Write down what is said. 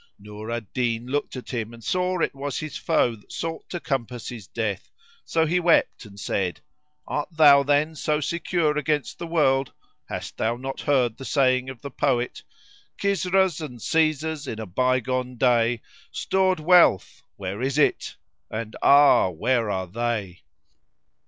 Nur al Din looked at him and saw it was his foe that sought to compass his death; so he wept and said, "Art thou, then, so secure against the World? Hast thou not heard the saying of the poet, 'Kisras and Caesars in a bygone day * Stored wealth; where is it, and ah! where are they?'